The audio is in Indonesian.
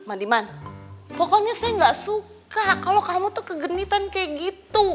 mandiman pokoknya saya gak suka kalau kamu tuh kegenitan kayak gitu